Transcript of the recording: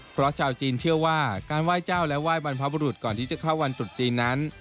เพราะชาวจีนเชื่อว่าการไหว้เจ้าและไหว้บรรพบุรุษก่อนที่จะเข้าวันตรุษจีนนั้น